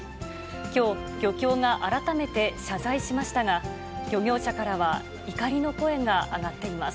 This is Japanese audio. きょう、漁協が改めて謝罪しましたが、漁業者からは怒りの声が上がっています。